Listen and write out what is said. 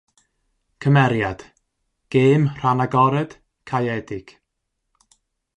Cymeriad: Gêm rhan-agored, Caeedig.